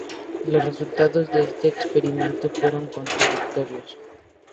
Los resultados de este experimento fueron contradictorios.